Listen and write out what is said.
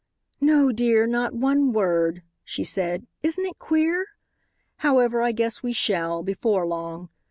"No, dear, not one word," she said; "isn't it queer? However, I guess we shall, before long.